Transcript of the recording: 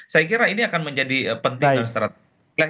saya kira ini akan menjadi penting dan strategis